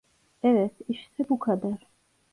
Evet, işte bu kadar.